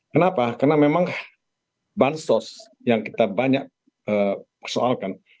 kenapa karena memang bansos yang kita banyak soalkan